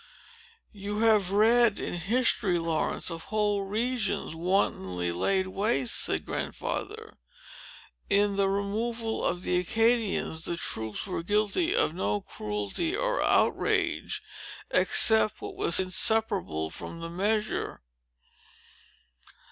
"You have rend in history, Laurence, of whole regions wantonly laid waste," said Grandfather. "In the removal of the Acadians, the troops were guilty of no cruelty or outrage, except what was inseparable from the measure."